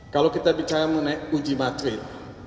kalau kita bicara mengenai uji materi